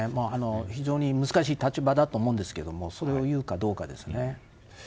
非常に難しい立場だと思うんですけどそれを言うかどうかですね。